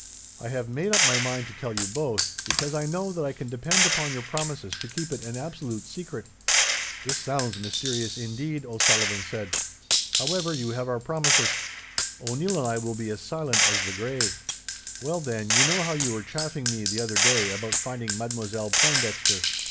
I have made up my mind to tell you both, because I know that I can depend upon your promises to keep it an absolute secret." "This sounds mysterious indeed," O'Sullivan said. "However, you have our promises. O'Neil and I will be as silent as the grave." "Well, then, you know how you were chaffing me, the other day, about finding Mademoiselle Pointdexter?"